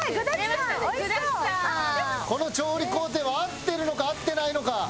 この調理工程は合ってるのか合ってないのか。